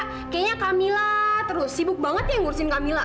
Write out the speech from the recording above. kayaknya kamila terus sibuk banget yang ngurusin kamila